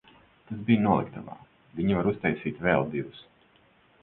Tas bija noliktavā, viņi var uztaisīt vēl divus.